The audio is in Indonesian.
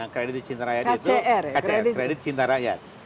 kredit sintar rakyat itu kcr kredit sintar rakyat